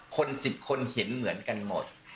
๑๐คนเห็นเหมือนกันหมด